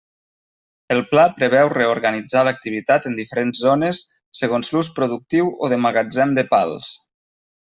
El Pla preveu reorganitzar l'activitat en diferents zones, segons l'ús productiu o de magatzem de pals.